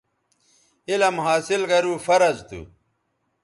علم حاصل گرو فرض تھو